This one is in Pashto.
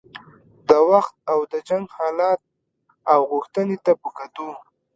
د وخت او د جنګ حالت او غوښتنې ته په کتو.